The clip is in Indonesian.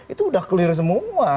itu udah clear semua